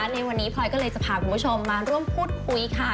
ในวันนี้พลอยก็เลยจะพาคุณผู้ชมมาร่วมพูดคุยค่ะ